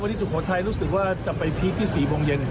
เพราะวันนี้ศุกร์ไทยรู้สึกว่าจะไปพีคที่๔โมงเย็น